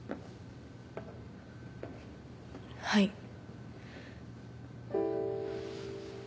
はい。